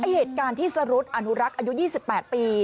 เหตุการณ์ที่สรุธอนุรักษ์อายุ๒๘ปี